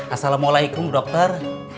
assalamualaikum bu dokter